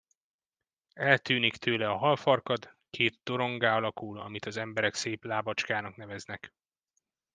Eltűnik tőle a halfarkad, két doronggá alakul, amit az emberek szép lábacskának neveznek.